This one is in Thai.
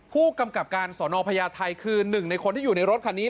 ผู้กำกับการสอนอพญาไทยคือหนึ่งในคนที่อยู่ในรถคันนี้